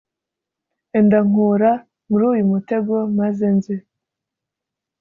enda nkura muri uyu mutego maze nze